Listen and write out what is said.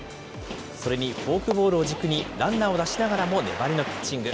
それにフォークボールを軸に、ランナーを出しながらも粘りのピッチング。